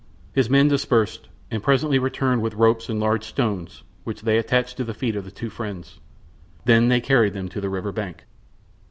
His men dispersed, and presently returned with ropes and large stones, which they attached to the feet of the two friends; then they carried them to the river bank.